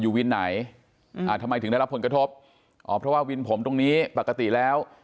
วินไหนอ่าทำไมถึงได้รับผลกระทบอ๋อเพราะว่าวินผมตรงนี้ปกติแล้ว